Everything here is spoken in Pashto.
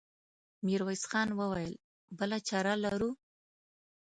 ميرويس خان وويل: بله چاره لرو؟